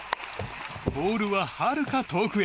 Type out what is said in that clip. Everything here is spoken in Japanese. ボールは、はるか遠くへ！